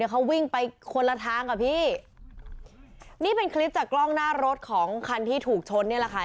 เขาวิ่งไปคนละทางอ่ะพี่นี่เป็นคลิปจากกล้องหน้ารถของคันที่ถูกชนเนี่ยแหละค่ะ